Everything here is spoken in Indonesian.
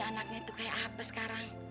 anaknya itu kayak apa sekarang